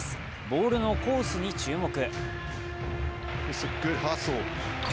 ボールのコースに注目。